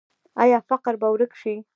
آیا فقر به ورک شي؟